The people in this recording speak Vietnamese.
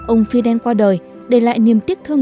ông fidel qua đời để lại niềm tiếc thương